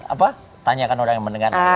apa tanyakan orang yang mendengar